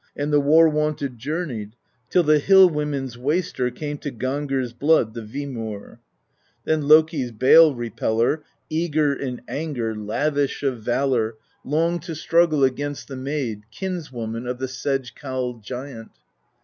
And the war wonted journeyed Till the hill women's Waster Came to Gangr's blood, the Vimurj Then Loki's bale repeller, Eager in anger, lavish Of valor, longed to struggle THE POESY OF SKALDS 125 Against the maid, kinswoman Of the sedge cowled giant.